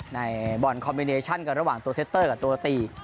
ในบอลคอมมิเนชั่นกันระหว่างตัวเซตเตอร์กับตัวตี